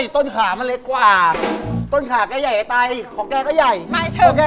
ทุนขาก็ใหญ่อ่ะไต